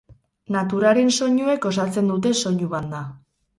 Naturaren soinuek osatzen dute soinu banda.